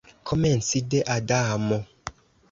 Komenci de Adamo.